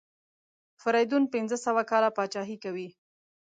فریدون پنځه سوه کاله پاچهي کوي.